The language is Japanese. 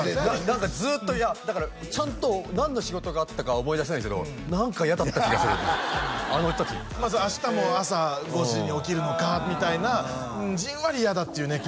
何かずっと嫌だからちゃんと何の仕事だったかは思い出せないんですけど何か嫌だった気がするあの時明日も朝５時に起きるのかみたいなじんわり嫌だっていうね